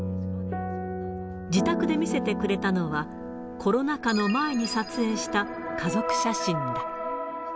自宅で見せてくれたのは、コロナ禍の前に撮影した家族写真だ。